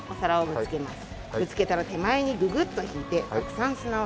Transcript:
ぶつけたら手前にググッと引いてたくさん砂をすくいます。